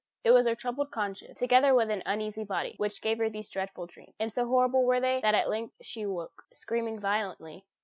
It was her troubled conscience, together with an uneasy body, which gave her these dreadful dreams; and so horrible were they, that at length she awoke, screaming violently.